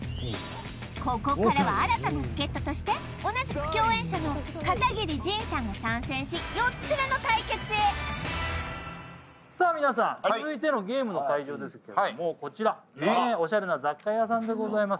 ここからは新たな助っ人として同じく共演者の片桐仁さんが参戦し４つ目の対決へさあ皆さん続いてのゲームの会場ですけれどもこちら雑貨屋さん